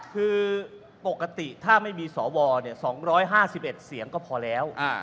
คือปกติถ้าไม่มีสว๒๕๑เสียงก็พอแล้ว